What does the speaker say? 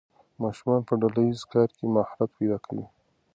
ماشومان په ډله ییز کار کې مهارت پیدا کوي.